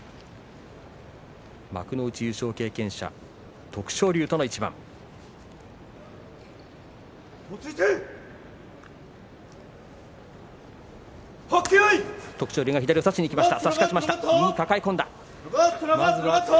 幕内優勝経験者徳勝龍との一番です。